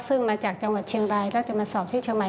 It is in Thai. ซึ่งมาจากจังหวัดเชียงรายแล้วจะมาสอบที่เชียงใหม่